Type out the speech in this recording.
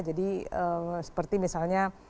jadi seperti misalnya